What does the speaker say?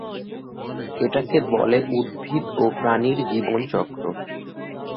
এটাকে বলে উদ্ভিদ ও প্রাণীর জীবনচক্র।